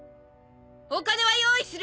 お金は用意する。